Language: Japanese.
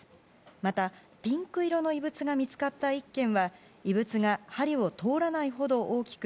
またピンク色の異物が見つかった１件は異物が針を通らないほど大きく